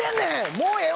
もうええわ。